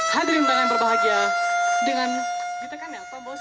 hadirin tangan berbahagia dengan kita kan ya tom bos